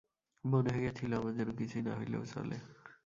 মনে হইয়াছিল আমার যেন কিছুই না হইলেও চলে।